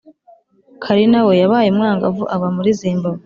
karina we yabaye umwangavu aba muri zimbabwe